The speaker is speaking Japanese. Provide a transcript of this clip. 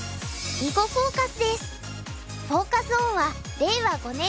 「囲碁フォーカス」です。